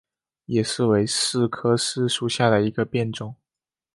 野柿为柿科柿属下的一个变种。